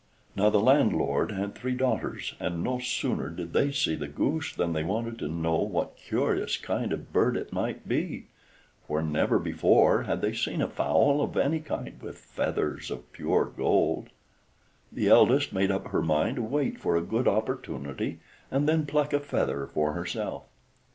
Now, the landlord had three daughters, and no sooner did they see the goose than they wanted to know what curious kind of bird it might be, for never before had they seen a fowl of any kind with feathers of pure gold. The eldest made up her mind to wait for a good opportunity and then pluck a feather for herself.